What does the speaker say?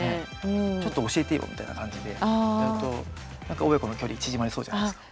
ちょっと教えてよみたいな感じでやると親子の距離縮まりそうじゃないですか。